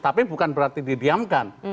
tapi bukan berarti didiamkan